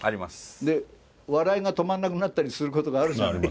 で笑いが止まんなくなったりすることがあるじゃない。